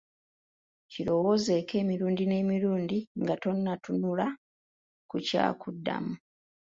Kirowoozeeko emirundi n'emirundi nga tonnatunula ku kyakuddamu.